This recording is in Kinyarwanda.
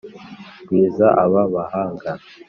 gwiza aba bahanga,